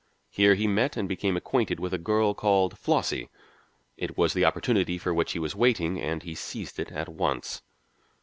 Here he met and became acquainted with a girl called Flossie. It was the opportunity for which he was waiting, and he seized it at once.